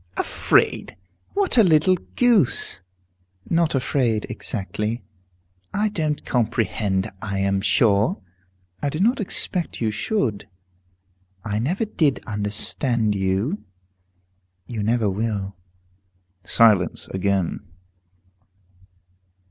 "Afraid! What a little goose!" "Not afraid, exactly." "I don't comprehend, I am sure." "I do not expect you should." "I never did understand you." "You never will." Silence again.